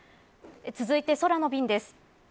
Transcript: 続いて、空の便です。